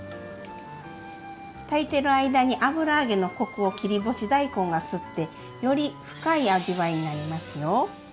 炊いてる間に油揚げのコクを切り干し大根が吸ってより深い味わいになりますよ。